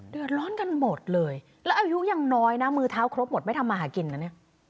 เดือดร้อนกันหมดเลยแล้วอายุยังน้อยนะมือเท้าครบหมดไม่ทำมาหากินนะเนี่ย